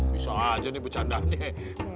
bisa aja nih bu candangnya